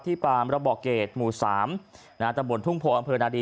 ที่ปามระบอกเกดหมู่สามณตะบ่นทุ่งโพอำเภอนาฬี